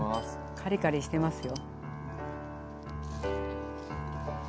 カリカリしてますよ。